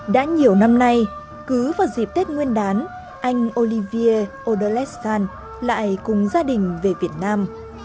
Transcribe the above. đã nhiều năm nay cứ vào dịp tết nguyên đán anh olivier oderletsan lại cùng gia đình về việt nam